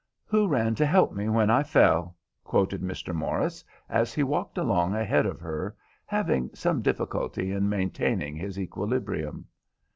"'Who ran to help me when I fell,'" quoted Mr. Morris, as he walked along ahead of her, having some difficulty in maintaining his equilibrium.